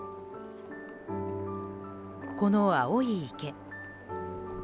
この青い池。